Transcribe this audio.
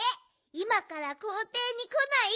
いまからこうていにこない？